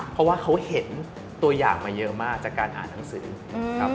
เพราะว่าเขาเห็นตัวอย่างมาเยอะมากจากการอ่านหนังสือนะครับ